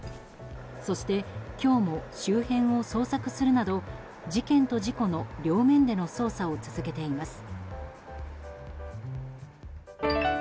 そして、今日も周辺を捜索するなど事件と事故の両面での捜査を続けています。